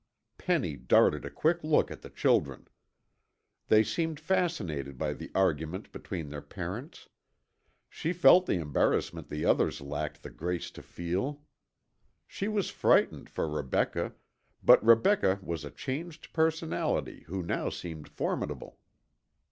Penny darted a quick look at the children. They seemed fascinated by the argument between their parents. She felt the embarrassment the others lacked the grace to feel. She was frightened for Rebecca, but Rebecca was a changed personality who now seemed formidable.